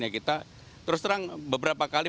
kita terus terang beberapa kali